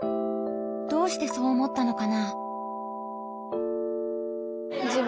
どうしてそう思ったのかな？